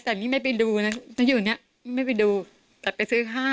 แต่นี่ไม่ไปดูนะถ้าอยู่เนี่ยไม่ไปดูแต่ไปซื้อ๕